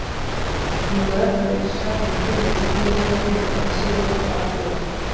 Umugore akoresha umutegetsi kumeza kugirango ashyireho urupapuro